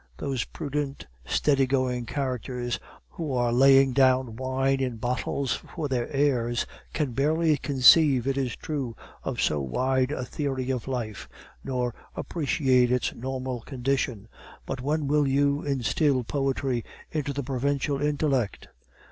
Those prudent, steady going characters who are laying down wine in bottles for their heirs, can barely conceive, it is true, of so wide a theory of life, nor appreciate its normal condition; but when will you instill poetry into the provincial intellect?